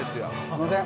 すいません。